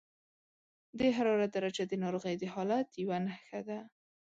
د حرارت درجه د ناروغۍ د حالت یوه نښه ده.